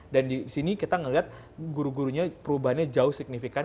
dan di sini kita melihat guru gurunya perubahannya jauh signifikan